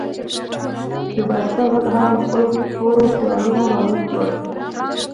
د بایسکل غږ هغه له خپلو تورو خیالونو راویښ کړ.